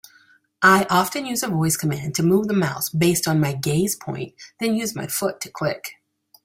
I often use a voice command to move the mouse based on my gaze point, then use my foot to click.